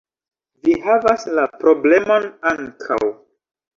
- Vi havas la problemon ankaŭ